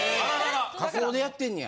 加工でやってんねや。